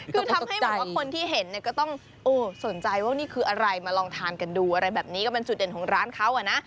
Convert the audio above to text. คือทำให้แบบว่าคนที่เห็นเนี่ยก็ต้องสนใจว่านี่คืออะไรมาลองทานกันดูอะไรแบบนี้ก็เป็นจุดเด่นของร้านเขาอ่ะนะ